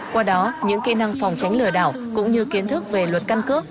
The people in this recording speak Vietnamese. qua đó những kỹ năng phòng tránh lừa đảo cũng như kiến thức về luật căn cước